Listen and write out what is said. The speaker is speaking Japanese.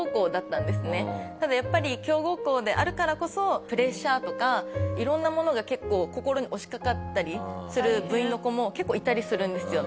ただやっぱり強豪校であるからこそプレッシャーとかいろんなものが結構心に押しかかったりする部員の子も結構いたりするんですよ。